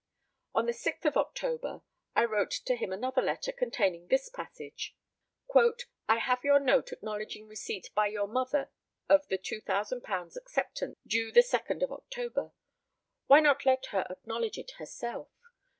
On the 6th of October I wrote to him another letter, containing this passage: "I have your note acknowledging receipt by your mother of the £2,000 acceptance, due the 2d October. Why not let her acknowledge it herself?